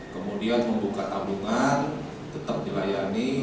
kemudian membuka tabungan tetap dilayani